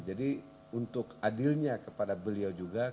jadi untuk adilnya kepada beliau juga